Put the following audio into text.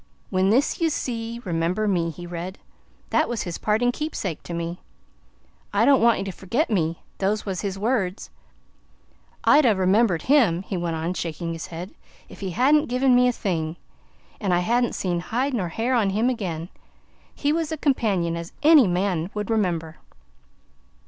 "'When this you see, remember me,'" he read. "That was his parting keepsake to me. 'I don't want you to forget me' those was his words I'd ha' remembered him," he went on, shaking his head, "if he hadn't given me a thing an' I hadn't seen hide nor hair on him again. He was a companion as ANY man would remember."